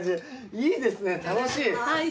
いいですね楽しい。